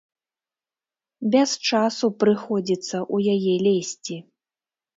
Без часу прыходзіцца ў яе лезці.